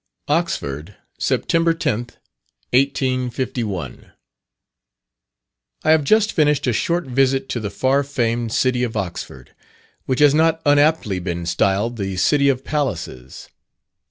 _ OXFORD, September 10th, 1851. I have just finished a short visit to the far famed city of Oxford, which has not unaptly been styled the City of Palaces.